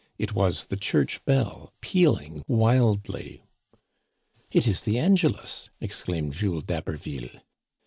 It was the church bell pealing wildly. " It is the Angelus," exclaimed Jules d'Haberville.